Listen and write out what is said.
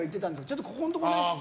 ちょっと、ここのところね